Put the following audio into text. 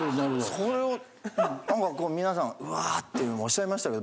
それを何かこう皆さんうわっていうのをおっしゃいましたけど。